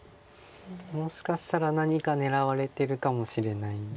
もしかしたら何か狙われてるかもしれない。